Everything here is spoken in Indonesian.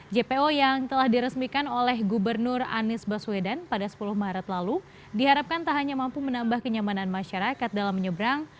jpo yang telah diresmikan oleh gubernur anies baswedan pada sepuluh maret lalu diharapkan tak hanya mampu menambah kenyamanan masyarakat dalam menyeberang